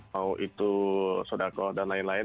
mau itu sodako dan lain lain